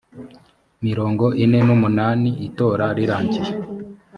mirongo ine n umunani itora rirangiye